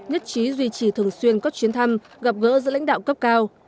đồng chí duy trì thường xuyên các chuyến thăm gặp gỡ giữa lãnh đạo cấp cao